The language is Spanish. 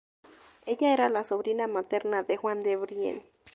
Ella era la sobrina materna de Juan de Brienne.